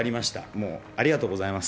もう、ありがとうございます。